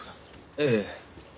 ええ。